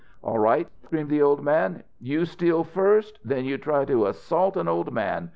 "All right!" screamed the old man. "You steal first then you try to assault an old man!